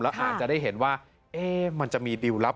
อาจจะได้เห็นว่ามันจะมีดิวลลับ